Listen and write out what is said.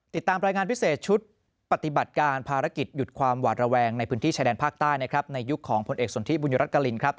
ติดตามรายงานพิเศษชุดปฏิบัติการภารกิจหยุดความหวาดระแวงในพื้นที่ชายแดนภาคใต้นะครับในยุคของผลเอกสนทิบุญรัฐกรินครับ